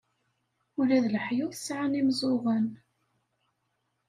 Ula d leḥyuḍ sɛan imeẓẓuɣen.